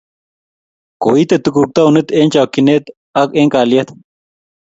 Koitei tukuk taonit eng chokchet ak eng kalyet